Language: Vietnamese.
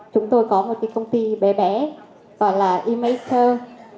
chúng tôi có một cái công ty bé bé gọi là e maker